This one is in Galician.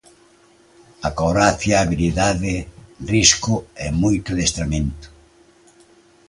Acrobacia, habilidade, risco e moito adestramento.